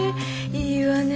いいわね